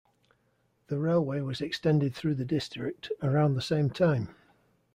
The railway was extended through the district around the same time.